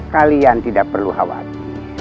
kalian tidak perlu khawatir